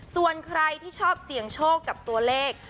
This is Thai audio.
ส่วนใครที่ชอบเสี่ยงโชคกับตัวเลข